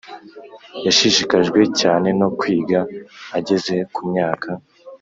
yashishikajwe cyane no kwiga ageze ku myaka